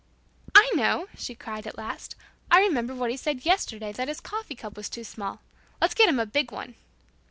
"I know," she cried at last, "I remember what he said yesterday that his coffee cup was too small. Let's get him a big one."